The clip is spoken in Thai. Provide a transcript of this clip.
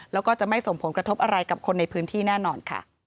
แล้วก็จะไม่ส่งผลกระทบอะไรกับคนในพื้นที่แน่นอนค่ะ